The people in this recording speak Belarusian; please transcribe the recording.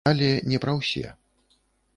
Але не пра ўсе.